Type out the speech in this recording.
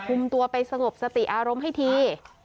ตัวไปสงบสติอารมณ์ให้ที